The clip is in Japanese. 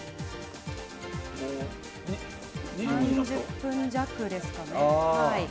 ３０分弱ですかね。